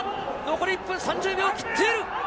残り１分３０秒を切っている。